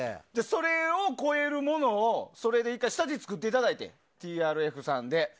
それを超えるものを１回それで下地を作っていただいてＴＲＦさんで。